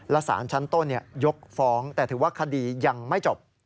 สารชั้นต้นยกฟ้องแต่ถือว่าคดียังไม่จบ